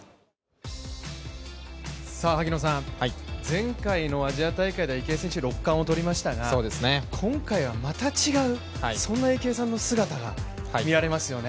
前回のアジア大会では池江選手、６冠をとりましたが今回はまた違うそんな池江さんの姿が見られますよね。